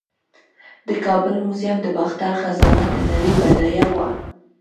د کابل میوزیم د باختر خزانه د نړۍ بډایه وه